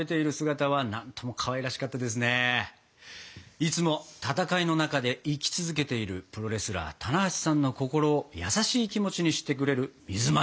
いつも戦いの中で生き続けているプロレスラー棚橋さんの心を優しい気持ちにしてくれる水まんじゅう。